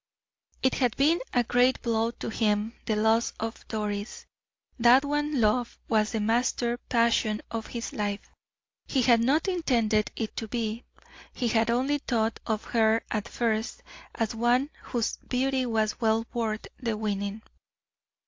It had been a great blow to him, the loss of Doris. That one love was the master passion of his life. He had not intended it to be; he had only thought of her at first as one whose beauty was well worth the winning.